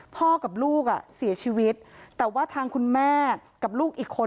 กับลูกอ่ะเสียชีวิตแต่ว่าทางคุณแม่กับลูกอีกคน